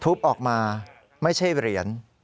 ออกมาไม่ใช่เหรียญ